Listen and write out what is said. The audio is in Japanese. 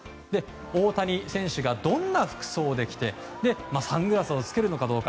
大谷選手がどんな服装で着てサングラスをつけるのかどうか。